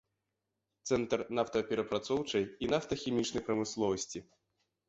Цэнтр нафтаперапрацоўчай і нафтахімічнай прамысловасці.